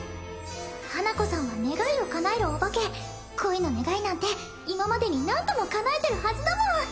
花子さんは願いを叶えるお化け恋の願いなんて今までに何度も叶えてるはずだもん！